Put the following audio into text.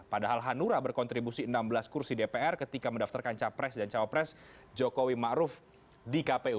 padahal hanura berkontribusi enam belas kursi dpr ketika mendaftarkan capres dan cawapres jokowi ⁇ maruf ⁇ di kpu